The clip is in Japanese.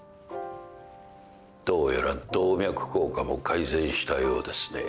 どうやら動脈硬化も改善したようですね。